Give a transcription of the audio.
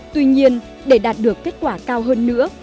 tuy nhiên để đạt được kết quả cao hơn nữa